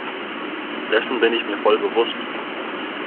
Dessen bin ich mir voll bewusst.